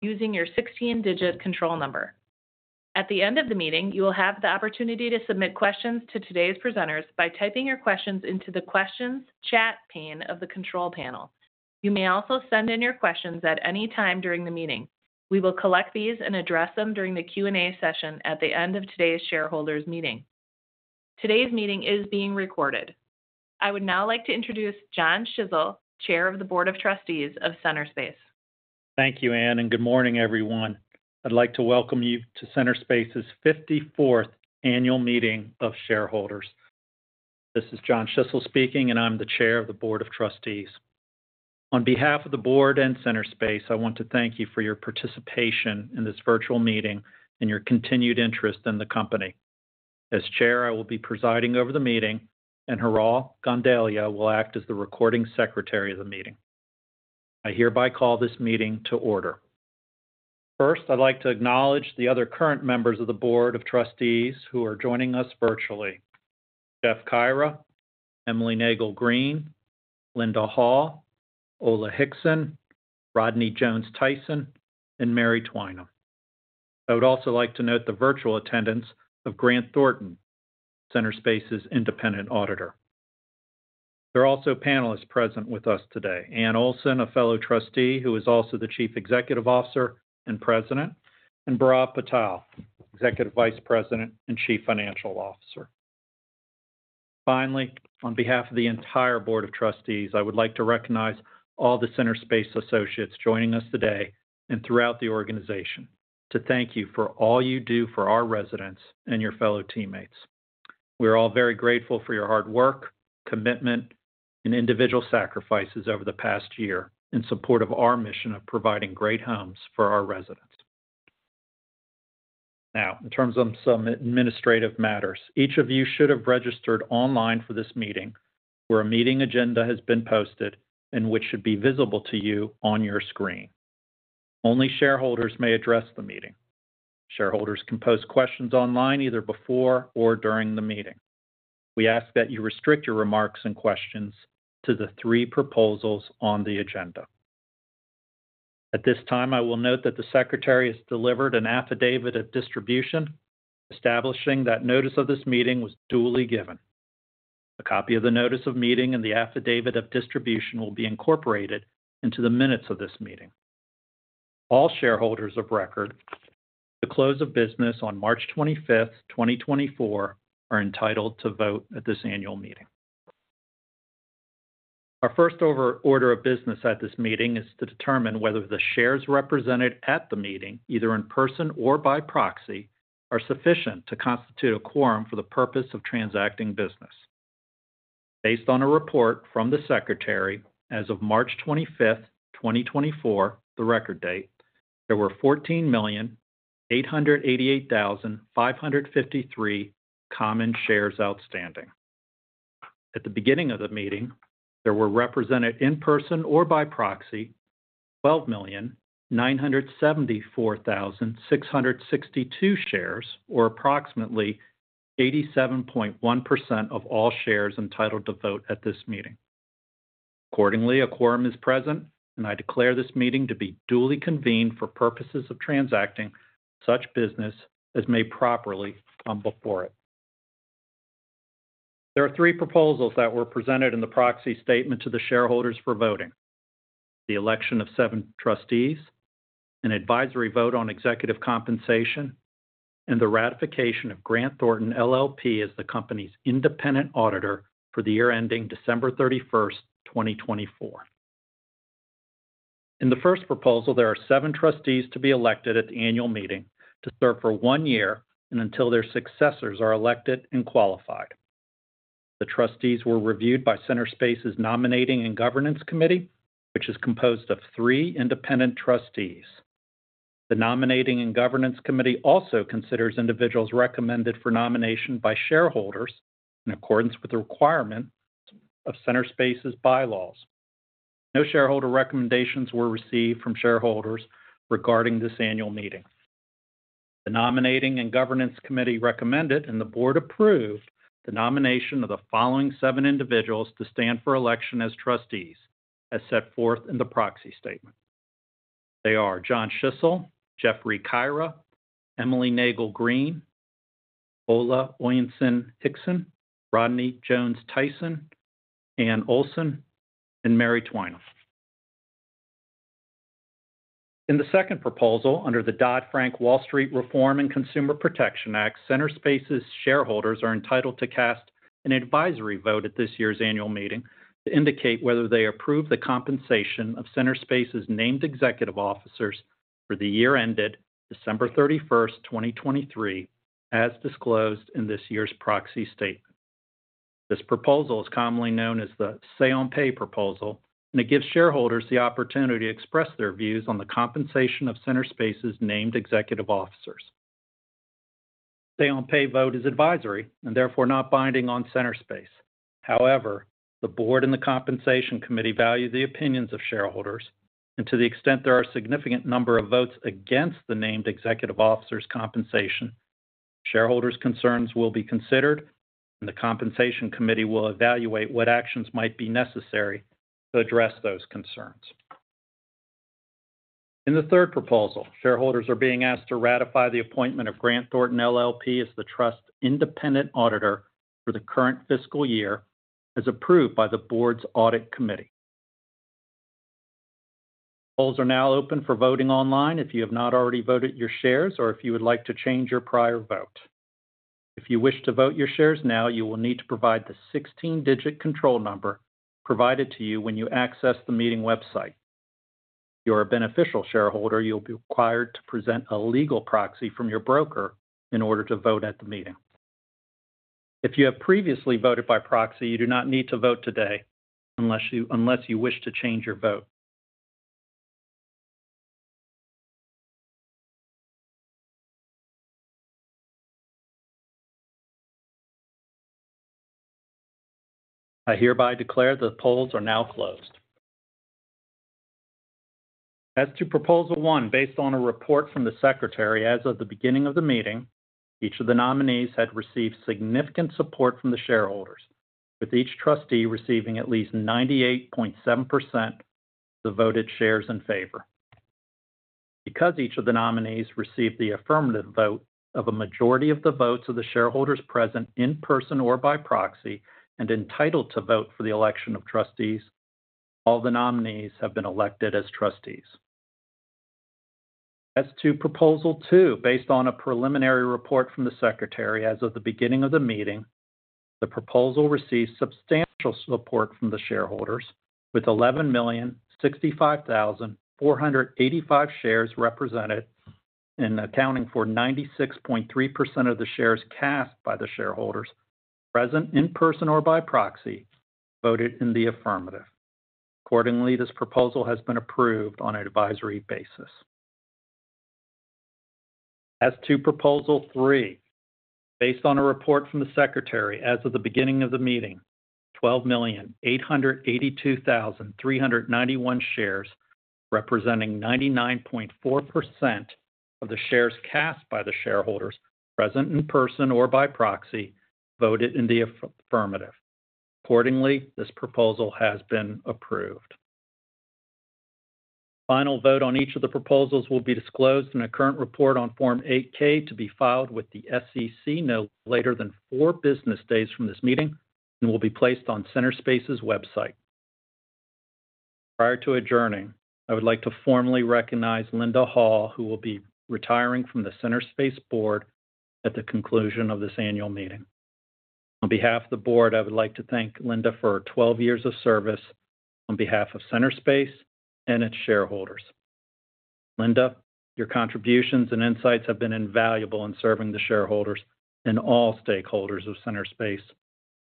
using your 16-digit control number. At the end of the meeting, you will have the opportunity to submit questions to today's presenters by typing your questions into the Questions Chat pane of the control panel. You may also send in your questions at any time during the meeting. We will collect these and address them during the Q&A session at the end of today's shareholders meeting. Today's meeting is being recorded. I would now like to introduce John Schissel, Chair of the Board of Trustees of Centerspace. Thank you, Anne, and good morning, everyone. I'd like to welcome you to Centerspace's 54th Annual Meeting of Shareholders. This is John Schissel speaking, and I'm the Chair of the Board of Trustees. On behalf of the board and Centerspace, I want to thank you for your participation in this virtual meeting and your continued interest in the company. As Chair, I will be presiding over the meeting, and Hiral Gondaliya will act as the Recording Secretary of the meeting. I hereby call this meeting to order. First, I'd like to acknowledge the other current members of the Board of Trustees who are joining us virtually. Jeff Caira, Emily Nagle Green, Linda Hall, Ola Oyinsan Hixon, Rodney Jones-Tyson, and Mary Twinem. I would also like to note the virtual attendance of Grant Thornton, Centerspace's independent auditor. There are also panelists present with us today. Anne Olson, a fellow trustee, who is also the Chief Executive Officer and President, and Bhairav Patel, Executive Vice President and Chief Financial Officer. Finally, on behalf of the entire Board of Trustees, I would like to recognize all the Centerspace associates joining us today and throughout the organization to thank you for all you do for our residents and your fellow teammates. We're all very grateful for your hard work, commitment, and individual sacrifices over the past year in support of our mission of providing great homes for our residents. Now, in terms of some administrative matters, each of you should have registered online for this meeting, where a meeting agenda has been posted and which should be visible to you on your screen. Only shareholders may address the meeting. Shareholders can post questions online either before or during the meeting. We ask that you restrict your remarks and questions to the three proposals on the agenda. At this time, I will note that the secretary has delivered an affidavit of distribution, establishing that notice of this meeting was duly given. A copy of the notice of meeting and the affidavit of distribution will be incorporated into the minutes of this meeting. All shareholders of record, the close of business on March 25th, 2024, are entitled to vote at this annual meeting. Our first order of business at this meeting is to determine whether the shares represented at the meeting, either in person or by proxy, are sufficient to constitute a quorum for the purpose of transacting business. Based on a report from the secretary, as of March 25th, 2024, the record date, there were 14,888,553 common shares outstanding. At the beginning of the meeting, there were represented in person or by proxy, 12,974,662 shares, or approximately 87.1% of all shares entitled to vote at this meeting. Accordingly, a quorum is present, and I declare this meeting to be duly convened for purposes of transacting such business as may properly come before it. There are three proposals that were presented in the proxy statement to the shareholders for voting: the election of seven trustees, an advisory vote on executive compensation, and the ratification of Grant Thornton LLP as the company's independent auditor for the year ending December 31st, 2024. In the first proposal, there are seven trustees to be elected at the annual meeting to serve for one year and until their successors are elected and qualified. The trustees were reviewed by Centerspace's Nominating and Governance Committee, which is composed of three independent trustees. The Nominating and Governance Committee also considers individuals recommended for nomination by shareholders in accordance with the requirement of Centerspace's bylaws. No shareholder recommendations were received from shareholders regarding this annual meeting. The Nominating and Governance Committee recommended, and the board approved, the nomination of the following seven individuals to stand for election as trustees, as set forth in the proxy statement. They are John Schissel, Jeff Caira, Emily Nagle Green, Ola Oyinsan Hixon, Rodney Jones-Tyson, Anne Olson, and Mary Twinem. In the second proposal, under the Dodd-Frank Wall Street Reform and Consumer Protection Act, Centerspace's shareholders are entitled to cast an advisory vote at this year's annual meeting to indicate whether they approve the compensation of Centerspace's named executive officers for the year ended December 31st, 2023, as disclosed in this year's proxy statement. This proposal is commonly known as the Say on Pay proposal, and it gives shareholders the opportunity to express their views on the compensation of Centerspace's named executive officers. Say on Pay vote is advisory and therefore not binding on Centerspace. However, the board and the Compensation Committee value the opinions of shareholders, and to the extent there are a significant number of votes against the named executive officer's compensation-... Shareholders' concerns will be considered, and the Compensation Committee will evaluate what actions might be necessary to address those concerns. In the third proposal, shareholders are being asked to ratify the appointment of Grant Thornton LLP as the trust's independent auditor for the current fiscal year, as approved by the board's Audit Committee. Polls are now open for voting online if you have not already voted your shares or if you would like to change your prior vote. If you wish to vote your shares now, you will need to provide the 16-digit control number provided to you when you accessed the meeting website. If you're a beneficial shareholder, you'll be required to present a legal proxy from your broker in order to vote at the meeting. If you have previously voted by proxy, you do not need to vote today, unless you wish to change your vote. I hereby declare the polls are now closed. As to proposal one, based on a report from the secretary as of the beginning of the meeting, each of the nominees had received significant support from the shareholders, with each trustee receiving at least 98.7% of the voted shares in favor. Because each of the nominees received the affirmative vote of a majority of the votes of the shareholders present, in person or by proxy, and entitled to vote for the election of trustees, all the nominees have been elected as trustees. As to proposal two, based on a preliminary report from the secretary as of the beginning of the meeting, the proposal received substantial support from the shareholders, with 11,065,485 shares represented and accounting for 96.3% of the shares cast by the shareholders, present in person or by proxy, voted in the affirmative. Accordingly, this proposal has been approved on an advisory basis. As to proposal three, based on a report from the secretary as of the beginning of the meeting, 12,882,391 shares, representing 99.4% of the shares cast by the shareholders, present in person or by proxy, voted in the affirmative. Accordingly, this proposal has been approved. Final vote on each of the proposals will be disclosed in a current report on Form 8-K to be filed with the SEC no later than four business days from this meeting and will be placed on Centerspace's website. Prior to adjourning, I would like to formally recognize Linda Hall, who will be retiring from the Centerspace board at the conclusion of this annual meeting. On behalf of the board, I would like to thank Linda for her 12 years of service on behalf of Centerspace and its shareholders. Linda, your contributions and insights have been invaluable in serving the shareholders and all stakeholders of Centerspace,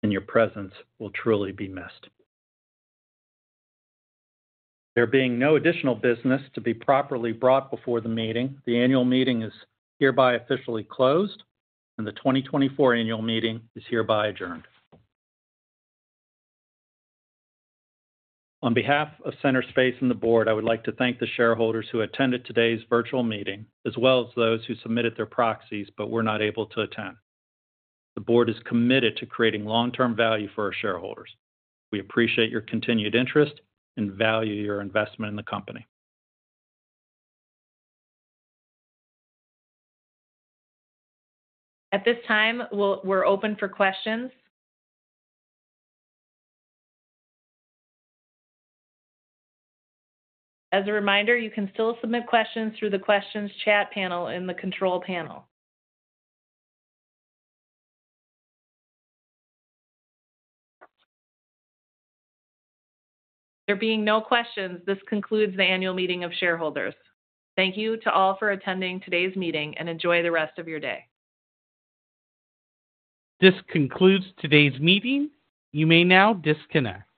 and your presence will truly be missed. There being no additional business to be properly brought before the meeting, the annual meeting is hereby officially closed, and the 2024 annual meeting is hereby adjourned. On behalf of Centerspace and the board, I would like to thank the shareholders who attended today's virtual meeting, as well as those who submitted their proxies but were not able to attend. The board is committed to creating long-term value for our shareholders. We appreciate your continued interest and value your investment in the company. At this time, we're open for questions. As a reminder, you can still submit questions through the questions chat panel in the control panel. There being no questions, this concludes the annual meeting of shareholders. Thank you to all for attending today's meeting, and enjoy the rest of your day. This concludes today's meeting. You may now disconnect.